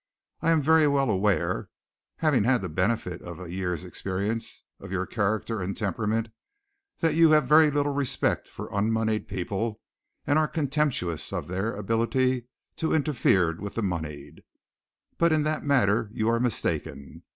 I am very well aware (having had the benefit of a year's experience of your character and temperament) that you have very little respect for unmoneyed people and are contemptuous of their ability to interfere with the moneyed. But in that matter you are mistaken.